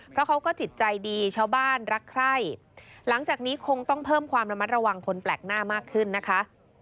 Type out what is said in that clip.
เพราะเขาก็จิตใจดีชาวบ้านรักใคร่หลังจากนี้คงต้องเพิ่มความระมัดระวังคนแปลกหน้ามากขึ้นนะคะ